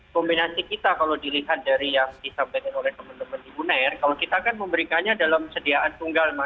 kombinasi kita kalau dilihat dari yang disampaikan oleh teman teman di uner kalau kita kan memberikannya dalam sediaan tunggal mas